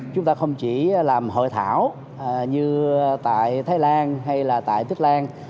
chúng ta không chỉ làm hội thảo như tại thái lan hay là tại tích lan